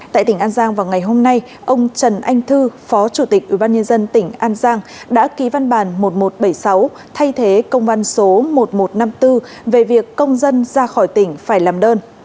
tại tỉnh an giang vào ngày hôm nay ông trần anh thư phó chủ tịch ubnd tỉnh an giang đã ký văn bản một nghìn một trăm bảy mươi sáu thay thế công văn số một nghìn một trăm năm mươi bốn về việc công dân ra khỏi tỉnh phải làm đơn